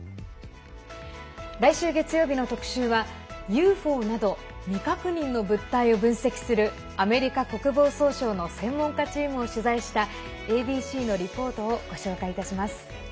来週月曜日の特集はＵＦＯなど未確認の物体を分析するアメリカ国防総省の専門家チームを取材したＡＢＣのリポートをご紹介します。